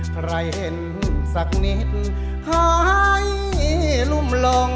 ใครเห็นสักนิดหายลุ่มลง